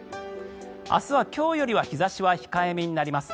明日は今日よりは日差しは控えめになります。